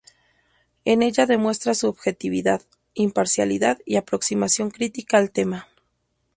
En ella demuestra su objetividad, imparcialidad y aproximación crítica al tema.